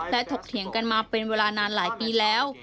ถกเถียงกันมาเป็นเวลานานหลายปีแล้ว